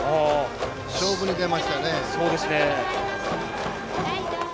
勝負に出ましたね。